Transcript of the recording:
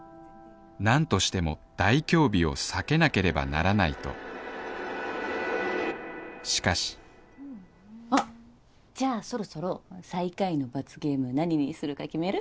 何としても大凶日を避けなければならないとしかしあっ！じゃあそろそろ最下位の罰ゲーム何にするか決める？